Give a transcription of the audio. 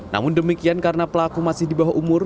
namun demikian karena pelaku masih di bawah umur